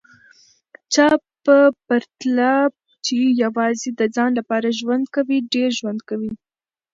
چا په پرتله چي یوازي د ځان لپاره ژوند کوي، ډېر ژوند کوي